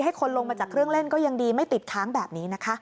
คนลงมาจากเครื่องเล่นก็ยังดีไม่ติดค้างแบบนี้นะคะ